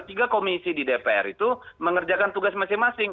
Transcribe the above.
tiga komisi di dpr itu mengerjakan tugas masing masing